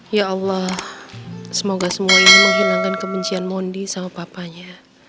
ya allah semoga semua ini menghilangkan kebencian mondi sama papanya